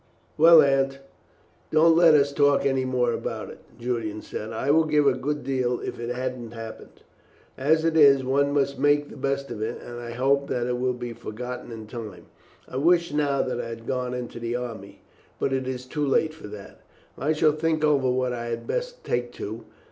"Well, Aunt, don't let us talk any more about it," Julian said. "I would give a good deal if it hadn't happened. As it is, one must make the best of it, and I hope that it will be forgotten in time. I wish now that I had gone into the army, but it is too late for that. I shall think over what I had best take to.